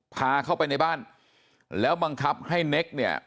พาเข้าไปในบ้านแล้วบังคับให้เน็กเนี่ย